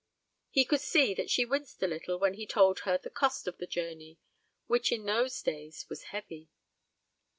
He could see that she winced a little when he told her the cost of the journey, which in those days was heavy.